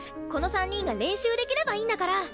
この３人が練習できればいいんだから。